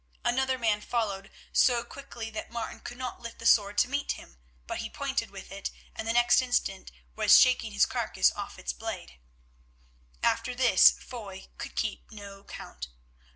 Another man followed so quickly that Martin could not lift the sword to meet him. But he pointed with it, and next instant was shaking his carcase off its blade. After this Foy could keep no count.